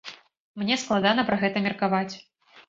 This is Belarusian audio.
Мне складана пра гэта меркаваць.